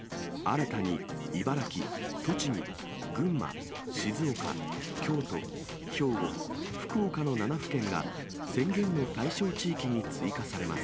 新たに茨城、栃木、群馬、静岡、京都、兵庫、福岡の７府県が、宣言の対象地域に追加されます。